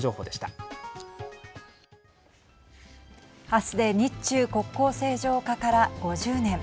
明日で日中国交正常化から５０年。